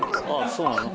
そうなの？